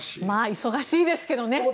忙しいですけどね。